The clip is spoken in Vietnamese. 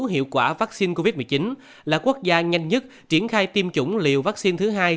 hiệu quả vaccine covid một mươi chín là quốc gia nhanh nhất triển khai tiêm chủng liều vaccine thứ hai